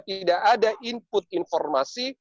tidak ada input informasi